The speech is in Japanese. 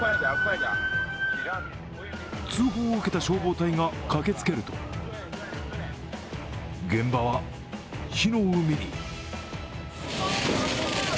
通報を受けた消防隊が駆けつけると、現場は火の海に。